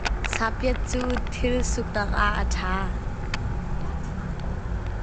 Sahpiat cu thil suknak ah a ṭha.